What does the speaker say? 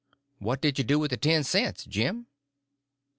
"What did you do with the ten cents, Jim?"